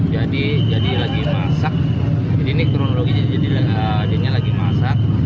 jadi lagi masak ini kronologi jadi dia lagi masak